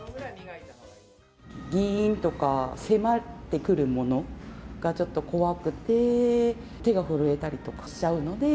ぎーんとか、迫ってくるものがちょっと怖くて、手が震えたりとかしちゃうので。